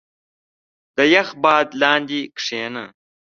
• د یخ باد لاندې کښېنه.